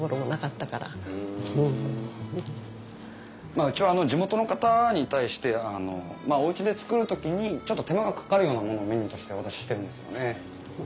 まあうちは地元の方に対しておうちで作る時にちょっと手間がかかるようなものをメニューとしてお出ししてるんですよね。